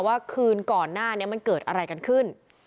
ว่าคืนก่อนหน้านี้มันเกิดอะไรกันขึ้น